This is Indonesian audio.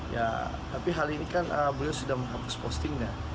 ya tapi hal ini kan beliau sudah menghapus postingnya